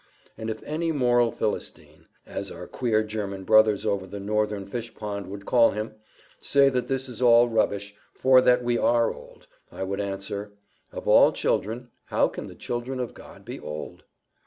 And if any moral Philistine, as our queer German brothers over the Northern fish pond would call him, say that this is all rubbish, for that we ARE old, I would answer: "Of all children how can the children of God be old?"